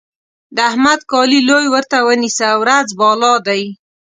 د احمد کالي لوی ورته ونيسه؛ ورځ بالا دی.